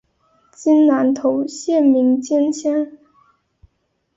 今南投县名间乡。